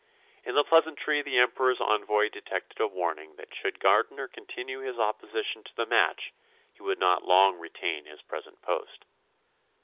In the pleasantry the Emperor's envoy detected a warning that should Gardiner continue his opposition to the match he would not long retain his present post.